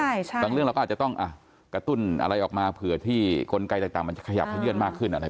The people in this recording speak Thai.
บางเรื่องเราก็อาจจะต้องกระตุ้นอะไรออกมาเผื่อที่กลไกต่างมันจะขยับขยื่นมากขึ้นอะไร